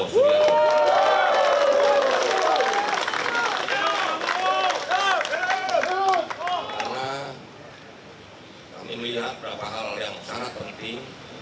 karena kami melihat beberapa hal yang sangat penting